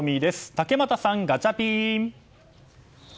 竹俣さん、ガチャピン。